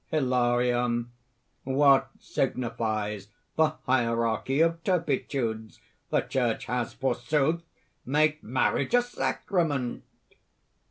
HILARION. "What signifies the hierarchy of turpitudes? The Church has, forsooth, made marriage a sacrament!"